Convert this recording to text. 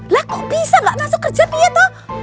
lah kok bisa gak masuk kerja pia tuh